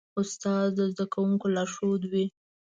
استاد د زدهکوونکو لارښود وي.